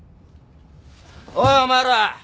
おいお前ら！